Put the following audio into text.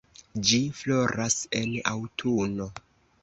Ĝi floras en aŭtuno.